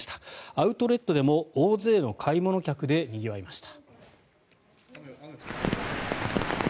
アウトレットでも大勢の買い物客でにぎわいました。